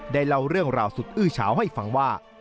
เล่าเรื่องราวสุดอื้อเฉาให้ฟังว่า